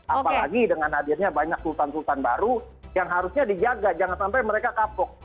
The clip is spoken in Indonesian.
apalagi dengan hadirnya banyak sultan sultan baru yang harusnya dijaga jangan sampai mereka kapok